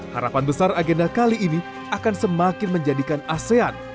harapan besar agenda kali ini akan semakin menjadikan asean